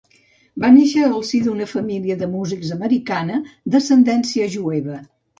Va néixer al si d'una família de músics americana, d'ascendència jueva.